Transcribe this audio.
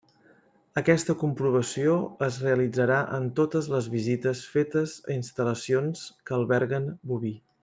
Aquesta comprovació es realitzarà en totes les visites fetes a instal·lacions que alberguen boví.